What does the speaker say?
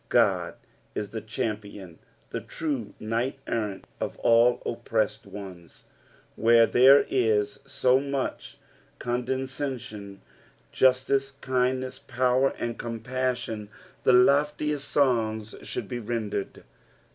God is the champion, the true kniglit errant of all oppressed ones. Where there is so much con descension, justice, kmdnesa, power, and compassion, the loftiest songs should be rendered.